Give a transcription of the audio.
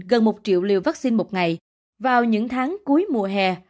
gần một triệu liều vaccine một ngày vào những tháng cuối mùa hè